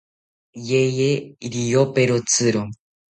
Yeye riyoperotziro